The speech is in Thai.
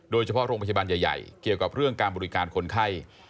โดยเฉพาะโรงพยาบาลใหญ่เกี่ยวกับเรื่องการบริการคนไข้